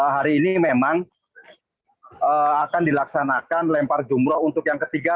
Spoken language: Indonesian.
hari ini memang akan dilaksanakan lempar jumroh untuk yang ketiga